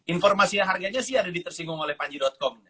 informasi harganya sih ada di tersinggungolehpanji com